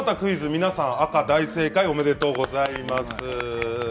皆さん赤で大正解おめでとうございます。